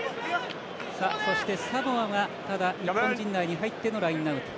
そして、サモアは日本陣内に入ってのラインアウト。